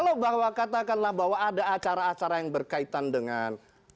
kalau bahwa katakanlah bahwa ada acara acara yang berkaitan dengan